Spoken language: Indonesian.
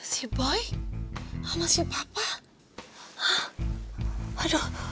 si boy apa sih papa